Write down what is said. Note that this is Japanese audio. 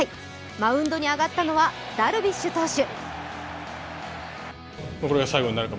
マウンドに上がったのはダルビッシュ投手。